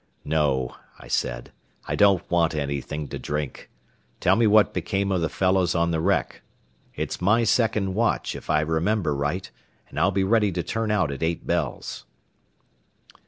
"No," I said; "I don't want anything to drink. Tell me what became of the fellows on the wreck. It's my second watch, if I remember right, and I'll be ready to turn out at eight bells."